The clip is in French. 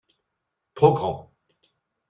Trop grand.